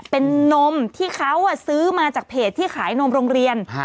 เป็นนมที่เขาซื้อมาจากเพจที่ขายนมโรงเรียน